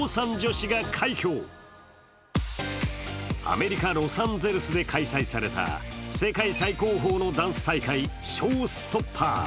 アメリカ・ロサンゼルスで開催された世界最高峰のダンス大会「Ｓｈｏｗｓｔｏｐｐｅｒ」。